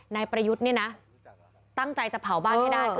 นายประยุทธ์เนี่ยนะตั้งใจจะเผาบ้านให้ได้